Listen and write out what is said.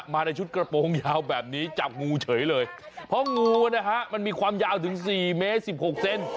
มาในชุดกระโปรงยาวแบบนี้จับงูเฉยเลยเพราะงูนะฮะมันมีความยาวถึงสี่เมตรสิบหกเซน